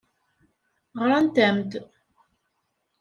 Ɣrant-am-d.